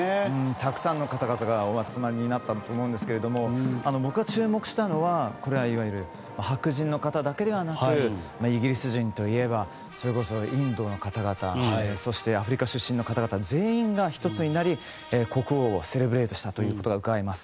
たくさんの方々がお集まりになったと思いますが僕が注目したのは白人の方だけではなくイギリス人といえばインドの方々そして、アフリカ出身の方々全員が１つになり、国王をセレブレートしたことがうかがえます。